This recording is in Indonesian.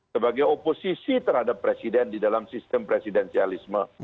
sebagai oposisi terhadap presiden di dalam sistem presidensialisme